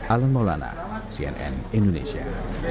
alan maulana cnn indonesia